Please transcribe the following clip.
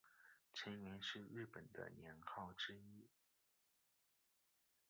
承元是日本的年号之一。